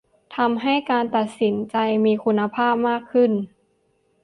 ทำให้การตัดสินใจมีคุณภาพมากขึ้น